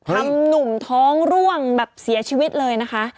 หนุ่มท้องร่วงแบบเสียชีวิตเลยนะคะ